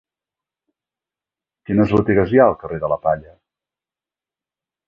Quines botigues hi ha al carrer de la Palla?